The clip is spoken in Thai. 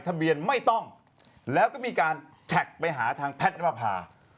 ทะเบียนไม่ต้องแล้วก็มีการแท็กไปหาทางแพทย์นภา